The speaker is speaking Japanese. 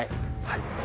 「はい」